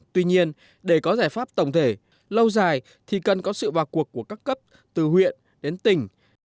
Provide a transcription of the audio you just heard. tuy nhiên để có giải pháp tổng thể lâu dài thì cần có sự vào cuộc của các cấp từ huyện đến tỉnh